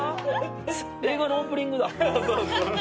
映画のオープニングだ。